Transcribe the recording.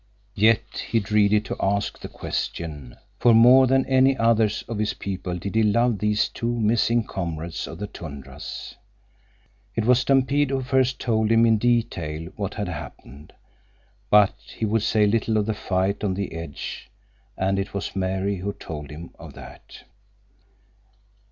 Yet he dreaded to ask the question, for more than any others of his people did he love these two missing comrades of the tundras. It was Stampede who first told him in detail what had happened—but he would say little of the fight on the ledge, and it was Mary who told him of that.